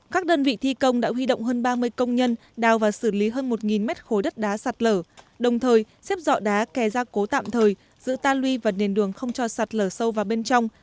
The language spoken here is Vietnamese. các đơn vị thi công đã huy động hơn ba mươi công nhân đào và xử lý hơn một mét khối đất đá sạt lở đồng thời xếp dọ đá kè gia cố tạm thời giữ ta luy và nền đường không cho sạt lở sâu vào bên trong